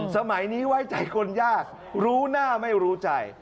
สมัยนี้ไว้ใจคนยากรู้หน้าไม่รู้ใจ